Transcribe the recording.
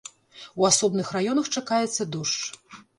У асобных раёнах чакаецца дождж.